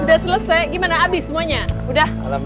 asli tadi lebih seru pa